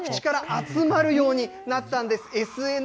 全国各地から集まるようになったんです。